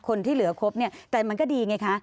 คนที่เหลือครบเนี่ยแต่มันก็ดีไงคะ